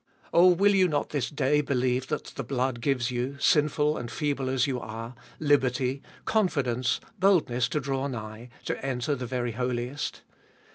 Oh, will you not this day believe that that blood gives you, sinful and feeble as you are, liberty, confidence, boldness to draw nigh, to enter the very Holiest?